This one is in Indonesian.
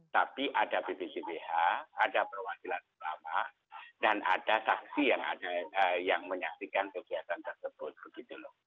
tapi ada bppbh ada perwakilan utama dan ada taksi yang menyaksikan kegiatan tersebut